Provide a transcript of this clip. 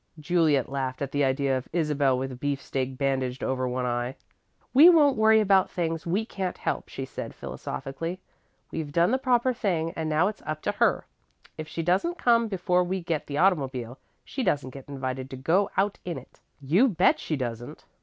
Juliet laughed at the idea of Isabel with beefsteak bandaged over one eye. "We won't worry about things we can't help," she said, philosophically. "We've done the proper thing and now it's up to her. If she doesn't come before we get the automobile, she doesn't get invited to go out in it." "You bet she doesn't."